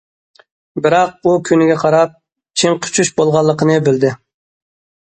بىراق، ئۇ كۈنگە قاراپ، چىڭقىچۈش بولغانلىقىنى بىلدى.